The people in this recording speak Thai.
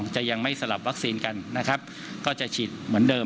จะยังไม่สลับวัคซีนกันนะครับก็จะฉีดเหมือนเดิม